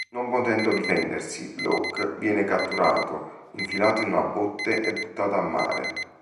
Non potendo difendersi, Locke viene catturato, infilato in una botte e buttato a mare.